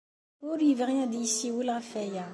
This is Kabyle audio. Ur yebɣi ad d-yessiwel ɣef waya.